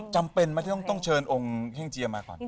จำเป็นไหมที่ต้องเชิญองค์เฮ่งเจียมาก่อน